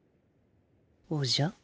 おじゃ？